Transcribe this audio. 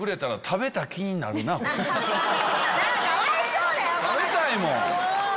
食べたいもん！